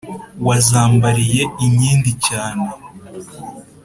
wazambariye inkindi cyane